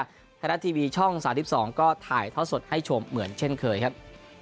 ธนทรัพย์ทีวีช่องศาสตร์ที่๒ก็ถ่ายท่อสดให้ชมเหมือนเช่นเคยครับ